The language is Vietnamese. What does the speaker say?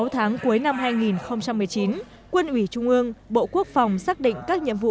sáu tháng cuối năm hai nghìn một mươi chín quân ủy trung ương bộ quốc phòng xác định các nhiệm vụ